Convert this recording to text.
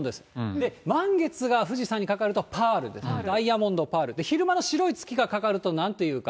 で、満月が富士山にかかるとパールで、ダイヤモンドパール、昼間の白い月がかかるとなんというか。